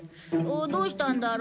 どうしたんだろう。